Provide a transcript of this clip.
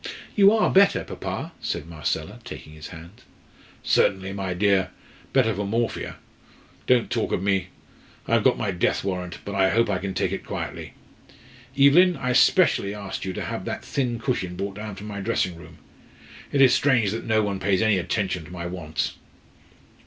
"You are better, papa?" said Marcella, taking his hand. "Certainly, my dear better for morphia. Don't talk of me. I have got my death warrant, but I hope I can take it quietly. Evelyn, I specially asked to have that thin cushion brought down from my dressing room. It is strange that no one pays any attention to my wants."